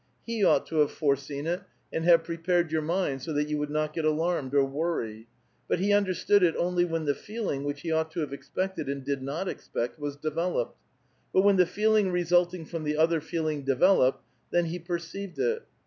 He ought to have foreseen it, and have prepared your mind so that you would not get alarmed or worry ; but he understood it only when the feeling, which he ought to have expected and did not expect, was developed ; but when the feeling resulting from the other feeling developed, then he perceived it.